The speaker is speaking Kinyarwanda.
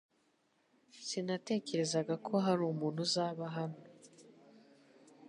Sinatekerezaga ko hari umuntu uzaba hano